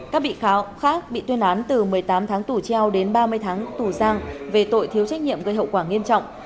các bị cáo khác bị tuyên án từ một mươi tám tháng tù treo đến ba mươi tháng tù giam về tội thiếu trách nhiệm gây hậu quả nghiêm trọng